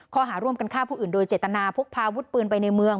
ข้อหาร่วมกันฆ่าผู้อื่นโดยเจตนาพกพาวุฒิปืนไปในเมือง